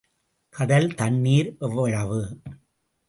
கடல் தண்ணீர் எவ்வளவு!